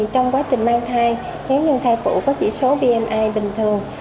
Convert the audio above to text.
trong quá trình mang thai nếu thai phụ có chỉ số bmi bình thường